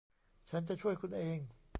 ฉันจะช่วยคุณเอง